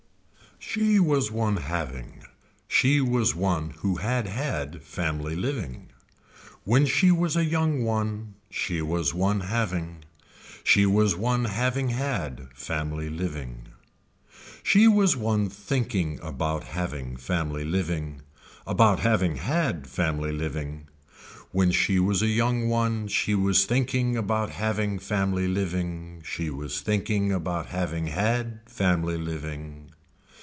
She was one having, she was one who had had family living. When she was a young one she was one having, she was one having had family living. She was one thinking about having family living, about having had family living. When she was a young one she was thinking about having family living, she was thinking about having had family living.